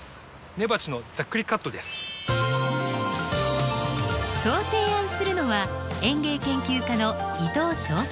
根鉢のそう提案するのは園芸研究家の伊藤章太郎さん。